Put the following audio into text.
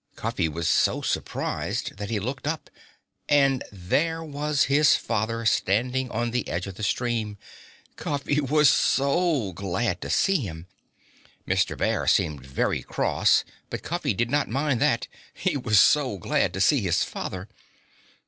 Cuffy was so surprised that he looked up, and there was his father standing on the edge of the stream. Cuffy was so glad to see him! Mr. Bear seemed very cross, but Cuffy did not mind that, he was so glad to see his father.